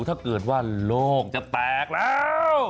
ถ้าเกิดว่าโลกจะแตกแล้ว